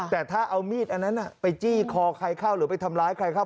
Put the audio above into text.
แต่ถ้าเอามีดอันนั้นไปจี้คอใครเข้าหรือไปทำร้ายใครเข้า